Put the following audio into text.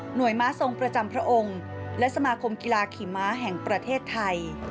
ม้าทรงประจำพระองค์และสมาคมกีฬาขี่ม้าแห่งประเทศไทย